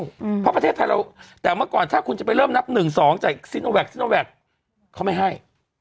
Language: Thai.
เพราะประเทศไทยเราแต่เมื่อก่อนถ้าคุณจะไปเริ่มนับหนึ่งสองจากซิโนแกคซิโนแวคเขาไม่ให้